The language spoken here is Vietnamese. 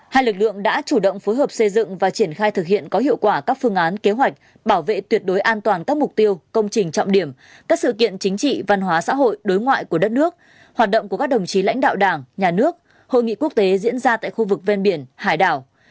hai lực lượng đã chủ động phối hợp xây dựng và triển khai thực hiện có hiệu quả các phương án kế hoạch bảo vệ tuyệt đối an toàn các mục tiêu công trình trọng điểm các sự kiện chính trị văn hóa xã hội đối ngoại của đất nước hoạt động của các đồng chí lãnh đạo đảng nhà nước hội nghị quốc tế diễn ra tại khu vực ven biển hải đảo